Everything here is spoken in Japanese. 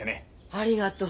ありがとう。